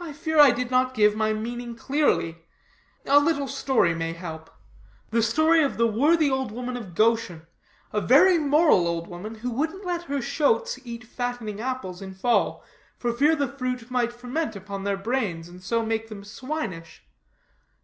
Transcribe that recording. "I fear I did not give my meaning clearly. A little story may help. The story of the worthy old woman of Goshen, a very moral old woman, who wouldn't let her shoats eat fattening apples in fall, for fear the fruit might ferment upon their brains, and so make them swinish.